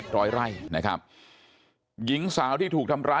แล้วป้าไปติดหัวมันเมื่อกี้แล้วป้าไปติดหัวมันเมื่อกี้